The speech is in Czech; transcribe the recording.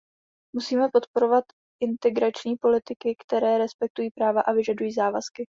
Musíme podporovat integrační politiky, které respektují práva a vyžadují závazky.